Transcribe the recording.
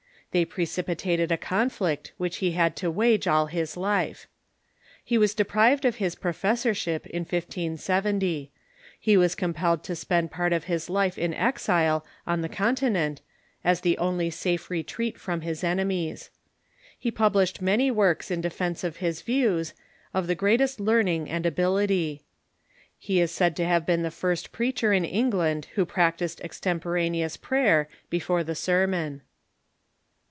They precipitated a conflict Avhich he had to wage all his life. He was deprived of his professorship in 1570. He was compelled to spend part of his life in exile on 368 THE MODERN CHURCH the Continent, as the only safe retreat from his enemies. He publiished many works in defence of his views, of the greatest learning and ability. He is said to have been the first preacher in England Avho practised extemporaneous prayer before the sermon.